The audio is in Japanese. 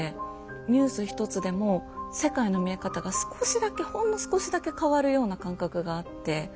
ニュースひとつでも世界の見え方が少しだけほんの少しだけ変わるような感覚があって。